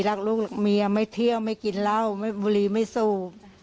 รักลูกเมียไม่เที่ยวไม่กินเหล้าไม่บุรีไม่สูบ